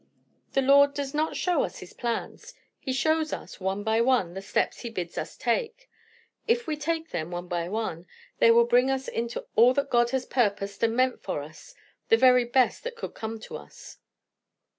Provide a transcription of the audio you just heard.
"The Lord does not show us his plans. He shows us, one by one, the steps he bids us take. If we take them, one by one, they will bring us into all that God has purposed and meant for us the very best that could come to us."